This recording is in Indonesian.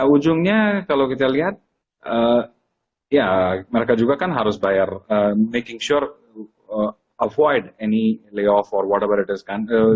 ujungnya kalau kita lihat ya mereka juga kan harus bayar making sure avoid any lay off or whatever it is kan